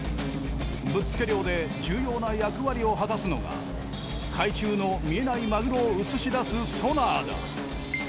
ぶっつけ漁で重要な役割を果たすのが海中の見えないマグロを映し出すソナーだ。